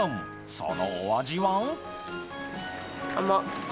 そのお味は？